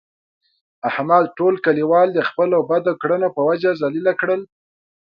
احمد ټول کلیوال د خپلو بدو کړنو په وجه ذلیله کړل.